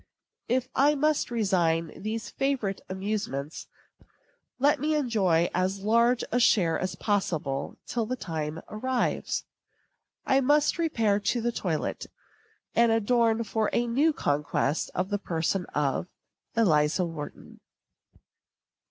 If I must resign these favorite amusements, let me enjoy as large a share as possible till the time arrives. I must repair to the toilet, and adorn for a new conquest the person of ELIZA WHARTON.